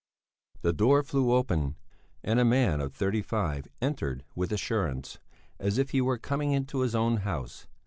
The door flew open, and a man of thirty five entered with assurance, as if he were coming into his own house.